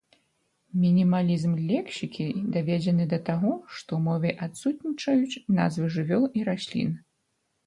Мінімалізм лексікі даведзены да таго, што ў мове адсутнічаюць назвы жывёл і раслін.